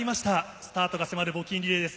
スタートが迫る募金リレーです。